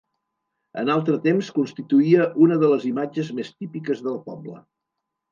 En altre temps constituïa una de les imatges més típiques del poble.